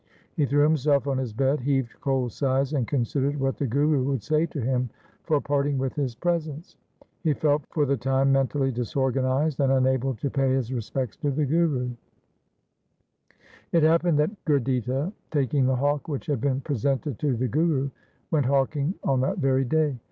He threw himself on his bed, heaved cold sighs, and considered what the Guru would say to him for parting with his presents. He felt for the time mentally disor ganized and unable to pay his respects to the Guru. It happened that Gurditta, taking the hawk which had been presented to the Guru, went hawking on that very day.